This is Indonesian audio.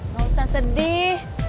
gak usah sedih